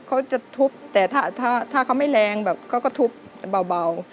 เขาจะทุบแต่ถ้าเขาไม่แรงแบบเขาก็ทุบเบา